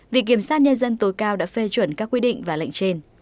việc kiểm soát nhân dân tối cao đã phê chuẩn các quy định và lệnh trên